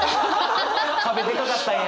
壁でかかったんや！